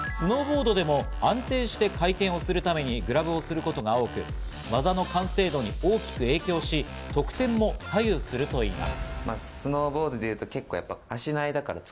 スノーボードでも安定して回転をするためにグラブをすることが多く、技の完成度に大きく影響し、得点も左右するといいます。